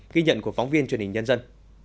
ghi nhận của phóng viên truyền hình nhân dân